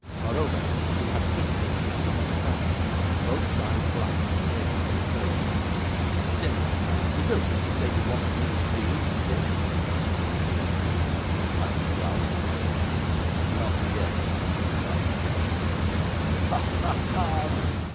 Moreover, he had whiskers and a moustache, both dyed black and gracefully curled. 'Demmit, you don't mean to say you want me, do you, demmit?' said this gentleman, smiting Ralph on the shoulder. 'Not yet,' said Ralph, sarcastically. 'Ha! ha!